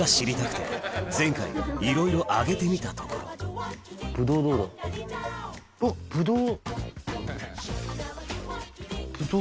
前回いろいろあげてみたところあっブドウ。